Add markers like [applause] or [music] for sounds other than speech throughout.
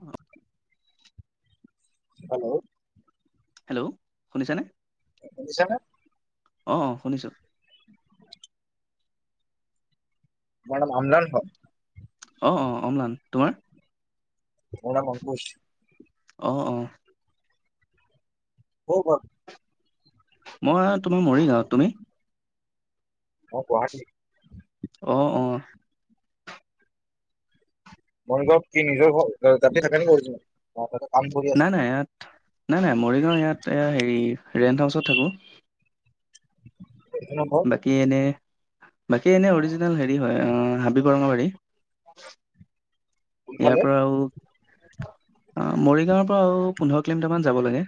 অ hello hello শুনিছানে শুনিছানে অ অ শুনিছো [unintelligible] অ অ অম্লান তোমাৰ? মোৰ নাম অংকুশ অ অ হ বা মই তোম মৰিগাওঁ তুমি মই গুৱাহাটী। অ'! অ'! মৰিগাঁৱত কি নিজৰ ঘৰ? তাতে থাকা নে [unintelligible] অ'! তাতে কাম কৰি নাই আছোঁ। নাই ইয়াত নাই, নাই মৰিগাঁও ইয়াত, হেৰি ৰেন্ট হাউচত থাকোঁ। এইটো মোৰ ঘৰ বাকী এনে বাকী এনে অৰিজিনেল হেৰি হয়, অ'! হাবি বৰঙাবাৰী। ইয়াৰ কোনফালে পৰা আৰু মৰিগাঁৱৰ পৰা আৰু পোন্ধৰ কিলোমিটাৰ মান যাব লাগে।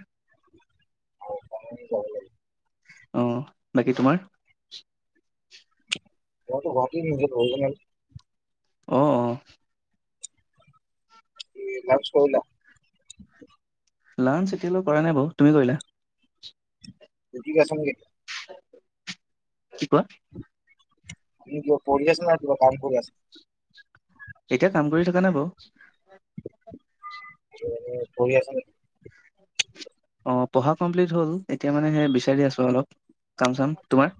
হয়! যাব লাগে। অ'! বাকী তোমাৰ? [unintelligible] অ'! লাঞ্চ কৰিলা? লাঞ্চ এতিয়ালৈ কৰা নাই বাৰু। তুমি কৰিলা? [unintelligible] [inaudible] কি ক'লা? তুমি কিবা পঢ়ি আছিলা? কিবা কাম কৰি আছা? এতিয়া কাম কৰি থকা নাই বাৰু। কিবা কৰি আছা নি? অ'! পঢ়া কমপ্লিট হ'ল। এতিয়া মানে, সেই বিচাৰি আছোঁ অলপ কাম চাম। তোমাৰ?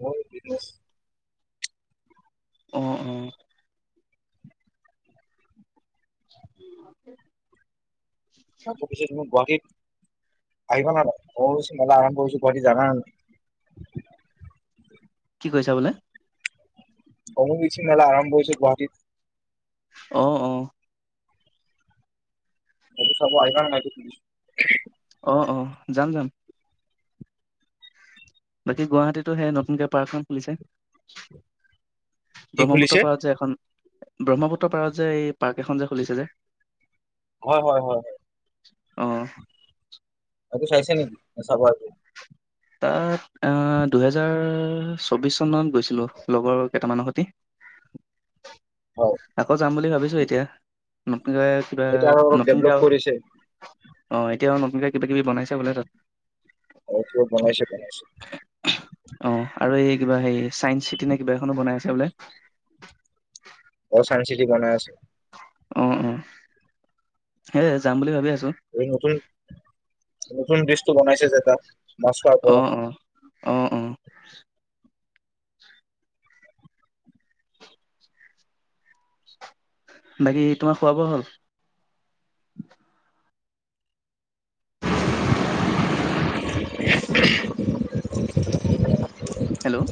মই এনে আছোঁ। অ'! অ'! উম! তাকৌ পিছে, তোমাৰ গুৱাহাটীত আহিবা না নাই? [unintelligible] মেলা আৰম্ভ কৰিছোঁ গুৱাহাটী জানা নাই? কি কৈছে বোলে? অম্বুবাচী মেলা আৰম্ভ হৈছে গুৱাহাটীত। অ'! অ'! এইটো চাব আহিবা নে নাই তুমি? অ'! অ'! যাম, যাম। বাকী গুৱাহাটীতো সে নতুনকে পাৰ্ক এখন খুলিছে। কি খুলিছে? ব্ৰহ্মপুত্ৰৰ পাৰত যে এখন। ব্ৰহ্মপুত্ৰ পাৰত যে, এই পাৰ্ক এখন যে খুলিছে যে। হয়, হয়, হয়, হয়। অ'! সিইটো চাইছে নেকি? চাব আহিব? তাত আঁ দুহেজাৰ চৌবিশ চনত গৈছিলোঁ লগৰ কেইটামানৰ সৈতে। হয় আকৌ যাম বুলি ভাবিছোঁ এতিয়া। কিবা সেইটো আৰু অলপ নতুনকে ডেভলপ আৰু কৰিছে অ'! এতিয়া আৰু নতুনকে কিবা কিবি বনাইছে বোলে তাত। হয় বমাইছে ব । অ', আৰু এই কিবা হে চাইন্স চিটি নে কিবা এখনো বনাই আছে বোলে । চাই চিটি বনাই আছে অ অ সেইয় যাম বুলি ভাবি আছো । এই নক নতুন ব্ৰিছটো বনাইছে যে তাত মছ পৰা অ', অ', অ', অ', বাকী তোমাৰ খোৱ বোৱা হ'ল । [unintelligible] হেল্ল'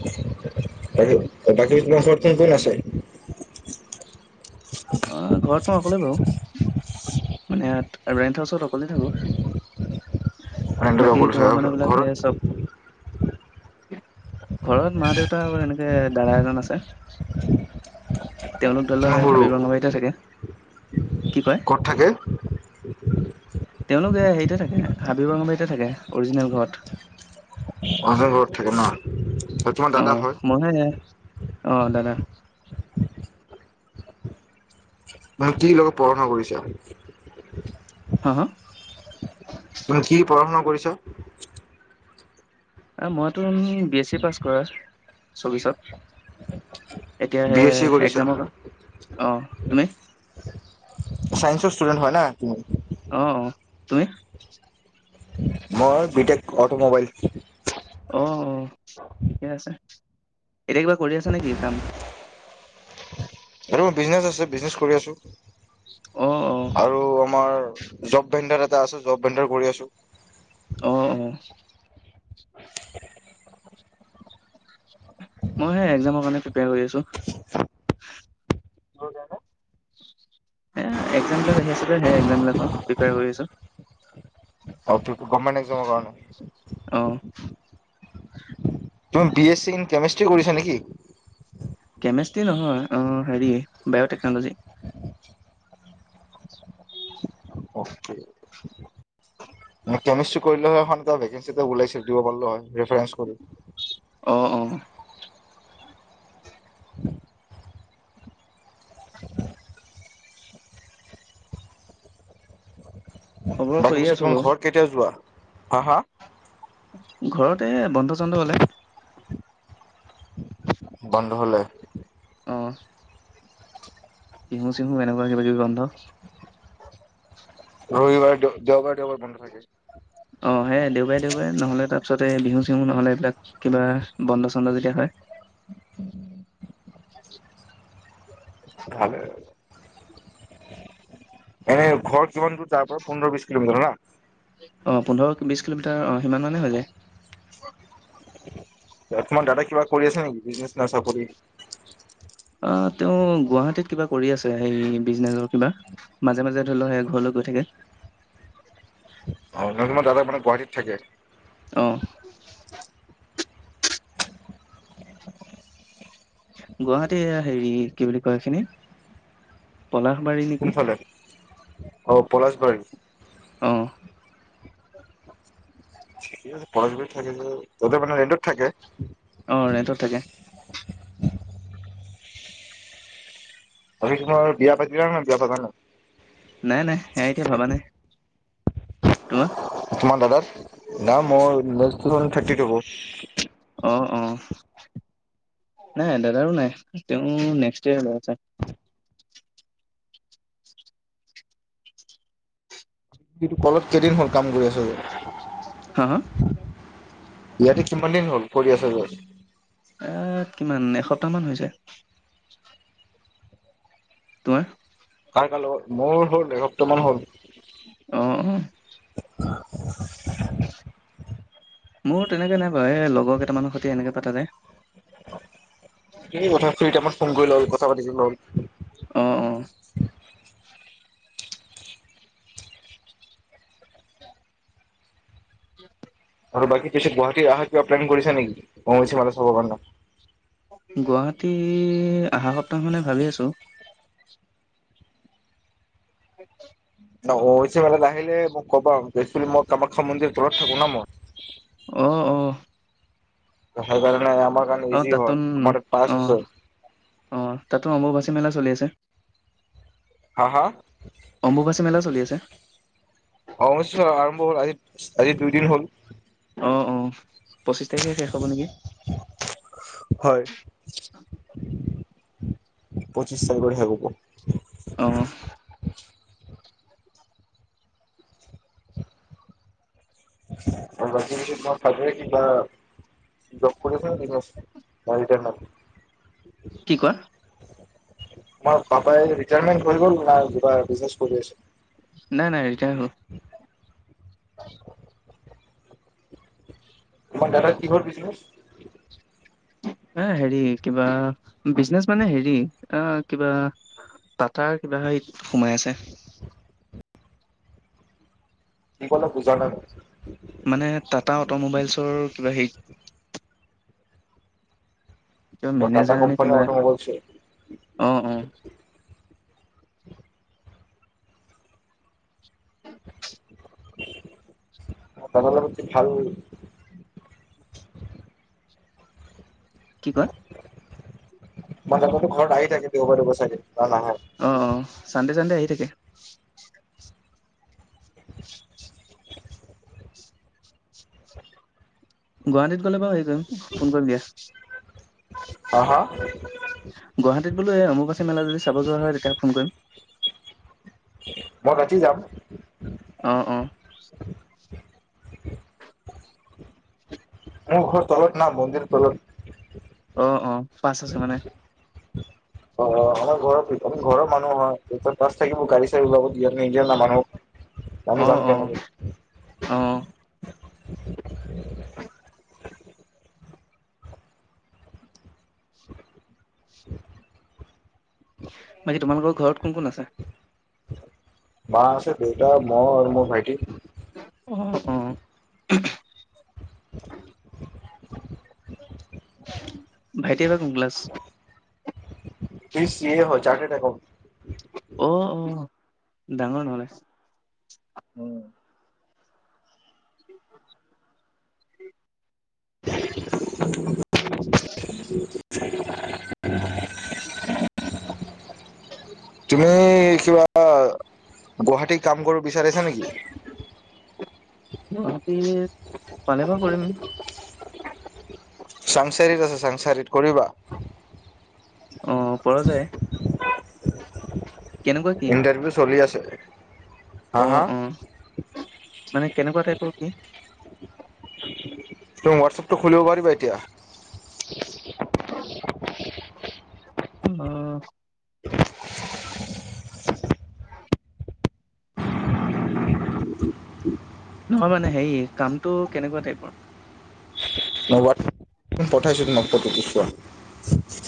তাকে বাকী তোমাৰ ওচৰত কোন কোন আছে অ ঘৰত মই অকলে বাৰু মানে ইয়াত ৰেণ্ট হাউচত অকলে থাকো। বাকী ঘৰৰ [unintelligible] মানুহ বিলাক সে চব চ ঘৰত ঘৰত মা দেউতা আৰু এনেকে দাদা এজন আছে । তেওঁলোক ধৰি লও কিমান সেই সৰু হাবিৰ ৰঙাবাৰীতে থাকে কি কয় ক'ত থাকে তেওঁলোকে হেৰিতে থাকে হাবিৰ ৰঙাবাৰীতে থাকে । অৰিজিনেল ঘৰত মানুহজন ঘৰত থাকে ন তোমাৰ অ দাদা হয় মইহে । অ দাদা । মানে কি লগে পঢ়া শুনা কৰিছে । হা হা তুমি কি পঢ়া শুনা । কৰিছ । মইতো বি এছ চি পাছ কৰা চৌবিশত এতিয়া বি সে এছ চি কৰিছা একজামৰ অ তুমি চাইন্সৰ ষ্টুডেন্ট হয় না । অ অ তুমি? মই বিটেক অট'মোবাইল । অ অ ঠিকে আছে এতিয়া কিবা কৰি আছে নেকি কাম? আৰু বিছনেছ আছে বিজনেছ কৰি আছো অ অ আৰু আমাৰ জব ভেডাৰ এ আছে জব বেণ্ডাৰ কৰি আছো । আহ অ । [unintelligible] মই সে একজামৰ কাৰণে প্ৰিপেয়াৰ কৰি আছো । হ'দাদ [unintelligible] স একজাম বিলাক আহি আছে যে সেই একজাম বিলাকৰ প্ৰিপেয়াৰ কৰি আছো। অটো গভমেণ্ট একজামৰ অ কাৰণে। তুমি B S C in chemistry কৰিছা নেকি? কেমেষ্টি নহয় অ হেৰি। বায়'টেকনলজি। উম [unintelligible] কেমেষ্টি কৰিলে ভেকেন্সি এটা ওলাইছিল দিব পাৰিলোঁ হয় ৰিফেঞ্চ কৰি। অ অ। [unintelligible] [unintelligible] খবৰ বাকী কৰি পিছে আছো তুমাৰ বাৰু ঘৰত কেতিয়া যোৱা? অহ। ঘৰত এ বন্ধ চন্দ হলে। বন্ধ হলে। অ বিহু চিহু এনেকুৱা কিবা কিবি বন্ধ। ৰবিবাৰ দে দেওবাৰ দেওবাৰে বন্ধ থাকে। অ সেই দেওবাৰে দেওবাৰে নহলে তাৰপিছতে বিহু চিহু নহ'লে এইবিলাক কিবা বন্ধ ছন্দ যেতিয়া হয়। [unintelligible] ভালে। এনে ঘৰ কিমান দূৰ তাৰ পৰা, পোন্ধৰ বিশ কিলোমিটাৰ ন? আহ পোন্ধৰ বিশ কিলোমিটাৰ অ সিমান মানে হৈ যায়। তোমাৰ দাদাই কিবা কৰি আছে নেকি বিজনেচ ন চাকৰি? আহ তেওঁ গুৱাহাটীত কিবা কৰি আছে সেই বিজনেচৰ কিবা মাজে মাজে ধৰি লওক সেই ঘৰলৈ গৈ থাকে। অ নাৰ দাদা মানে গুৱাহাটীত থাকে আহ। গুৱাহাটী হেৰি কি বুলি কয় এইখিনি। পলাশবাৰী নেকি কোনফালে অঁ পলাশবাৰী। অঁ। পলাশবাৰী থাকে যে ততে মানেৰেণ্টত থাকে? অ ৰেন্টত থাকে। বাকী তোমাৰ বিয়া পাতিলা নাই? বিয়া পাতা নাই। নাই নাই সেয়া এতিয়া ভবা নাই। তোমাৰ। দাদাৰ? নাই মই। বয়স তো তোমাৰ থাৰ্টি টু হব্। [unintelligible] অ অ নাই দাদাৰো নাই তেওঁ নেক্সট ইয়ৰ লৈ আছে। কলত কেইদিন হল কাম কৰি আছে। হা হা। ইয়াতে কিমান দিন হ'ল কৰি আছা? এ কিমান এসপ্তাহ মান হৈছে। তোমাৰ। ত কাৰ লগত মোৰ হ'ল এসপ্তাহ মান হ'ল। অ [unintelligible] মোৰ তেনেকে নাই বাৰু এই লগৰ কেইটামানৰ সৈতে এনেকে পতা যায় । কি কথা ফ্ৰী টাইমত ফোন কৰি ল'ল কথা পাতি ল'ল অ অ আৰু বাকী পিছে গুৱাহাটী আহা কিবা প্লেন কৰিছা নেকি অম্বুবাচী মেলা চাব কাৰণে গুৱাহাটী আহা সপ্তাহ মানে ভাবি আছো [inaudible] [inaudible] অ অম্বুবাচীত মেলাত আহিলে মোক ক'বা মই কামাখ্যা মন্দিৰৰ তলত থাকো ন মই অ অ সেইকাৰণে আমাৰ কাৰণে অ ইজি হয়, তাতোত আমাৰ তাত পাছ অ আছে। অ তাতো অম্বুবাচী মেলা চলি আছে হা হা অম্বুবাচী মেলা চলি আছে অ অম্বুবাচী মেলা আৰম্ভ হল আজি আজি দুই দিন হ'ল অ অ পঁচিশ তাৰিখে শেষ হ'ব নেকি‌? হয়, পঁচিছ তাৰিখৰ শেষ হব অ জব কৰিছা নে কি কোৱা মাৰ পাপাই ৰিটাইমেন্ট হৈ গল না কিবা বিজনেছ কৰি আছে নাই নাই ৰিতাই হল তোমাৰ দাদাৰ কিহৰ বিজনেছ এ হেৰি কিবা বিজনেচ মানে হেৰি আহ কিবা টাটাৰ কিবা সোমাই আছে কি কলা বুজা নাই‌‌ মই মানে টাটা অট'মোবাইলছৰ কিবা হেৰি কিবা অ' টাটা মেনেজাৰ নে কোম্পানী কিবা অট'মোবাইলছ হয়। অ অ দাদাৰ লগত কি ভাল কি কোৱা মাজে মাজে ঘৰত আহি থাকে দেওবাৰ দেওবাৰ চাগে না নাহে? অ অ চানডে চানডে আহি থাকে টিয়া [unintelligible] গুৱাহাটীত গ'লে বাও হে কৰিম ফোন কৰিম দিয়া। হা হা গুৱাহাটীত বোলো এই অমুবাচি মেলা যদি চাব যোৱা হয় তেতিয়াহে ফোন কৰিম। মই ৰাতি যাম। অ অ। মোৰ ঘৰ তলত না মন্দিৰ তলত। অ অ পাঁচ আছে মানে। অ ও আমাৰ ঘৰত আমি ঘৰৰ মানুহ হয় বাছ থাকিব গাড়ী চাড়ী ওলাবা দিয়া নিদিয়া মানুহক। আমি অ', যাম অ', এতিয়া হলেই [inaudible] অ', [inaudible] মাজিপ তোমালোকৰ ঘৰত কোন কোন আছে? মা আছে দেউতা মই আৰু মোৰ ভাইটি। অ', অ', [inaudible] ভাইটি এইবাৰ কোন ক্লাছ ইচ্ছ যিয়ে হয় যাতে থাকক। অ অ ডাঙৰ নহলে। উম। [inaudible] তুমি কিবা গুৱাহাটীত কাম কৰিব বিচাৰিছা নেকি? গুৱাহাটীত পালে বাউ কৰিম। চাংচাৰিত আছে চাংচাৰীত কৰিবা অ পৰা যায়। কেনেকুৱা কি ইণ্টাৰভিউ চলি আছে। হা অ হা অ মানে কেনেকুৱা টাইপৰ কি? তুমি হোৱাটছএপটো খুলিব পাৰিবা এতিয়া। অ নহয় মানে হেৰি কামটো কেনেকুৱা টাইপৰ? ন'বাত পঠাইছোঁ তো মই নফটোটো চোৱা।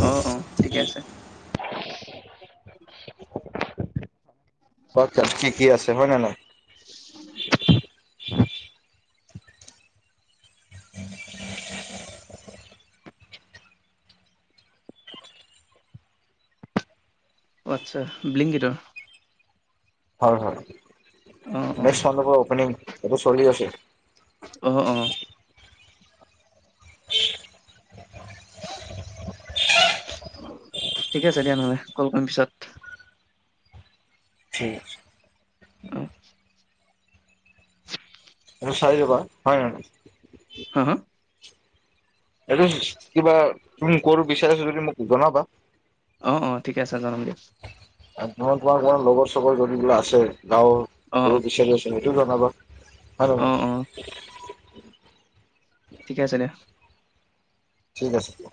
অ অ ঠিকে আছে। [unintelligible] হয় ত ঠিকে আছে হয় নহয়। আচ্ছা বি্লিংগটৰ। হয় হয় অ', অ', মন্দেপা অপেনিং। ছবে চলি আছে। অহ অহ ঠিক আছে দিয়া নহলে কল কৰিম পিছত, ঠিক আছে। অহ চাই যাবা হয় হয় হা হা এইটো কিবা তুমি কৰ বিচাৰিছো যদি মোক জনাবা। অ অ ঠিকে আছে জনাম দিয়া নহয় তোমাৰ তোমাৰ লগৰ চবৰ যদি বিলাক আছে, গাঁৱৰ অ', কো অ', বিচাৰি আছে কিনো জনাব। আৰু অ', অ', উম। ঠিকে আছে দিয়া। ঠিক আছে দিয়া